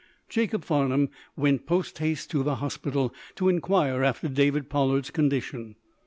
Jacob Farnum went post haste to the hospital, to inquire after David Pollard's condition.